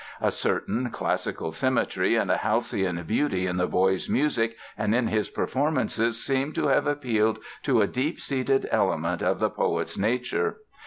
A certain classical symmetry and a halcyon beauty in the boy's music and in his performances seem to have appealed to a deep seated element of the poet's nature.